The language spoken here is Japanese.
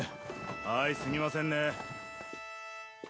はいすみませんね。